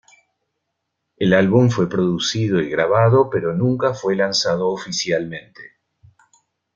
El álbum fue producido y grabado, pero nunca fue lanzado oficialmente.